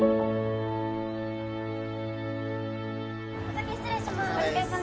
お先失礼します。